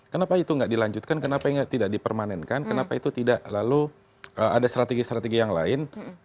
kenapa itu nggak dilanjutkan kenapa tidak dipermanenkan kenapa itu tidak lalu ada strategi strategi yang lain